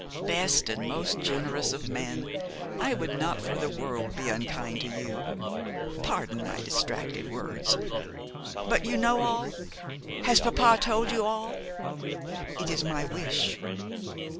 'Best and most generous of men! I would not for the world be unkind to you. Pardon my distracted words. But you know all? Has papa told you all? It is my wish.